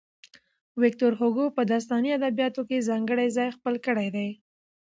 ويکټور هوګو په داستاني ادبياتو کې ځانګړی ځای خپل کړی دی.